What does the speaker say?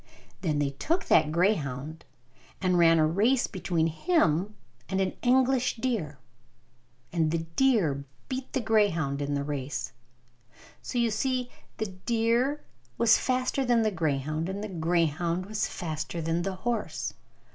Then they took that greyhound, and ran a race between him and an English deer; and the deer beat the greyhound in the race. So, you see, the deer was faster than the greyhound, and the greyhound was faster than the horse!